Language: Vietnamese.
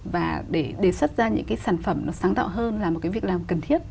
và để đề xuất ra những cái sản phẩm nó sáng tạo hơn là một cái việc làm cần thiết